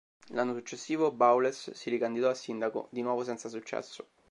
L'anno successivo, Bowles si ricandidò a sindaco, di nuovo senza successo.